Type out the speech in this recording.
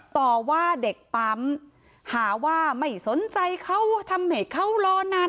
ต่อว่าเด็กปั๊มหาว่าไม่สนใจเขาทำให้เขารอนาน